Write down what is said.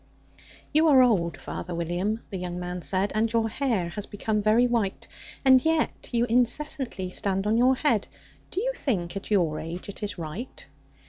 "YOU are old, father William," the young man said, "And your hair has become very white; And yet you incessantly stand on your head Do you think, at your age, it is right?